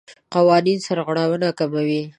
قوانین سرغړونه کموي.